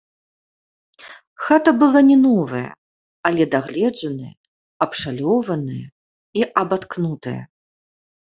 Хата была не новая, але дагледжаная, абшалёваная і абаткнутая.